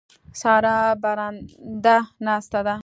سارا برنده ناسته ده.